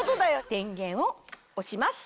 電源を押します。